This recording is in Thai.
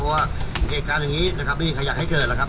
เพราะว่าเอกการอย่างงี้นะครับมีใครอยากให้เกิดนะครับ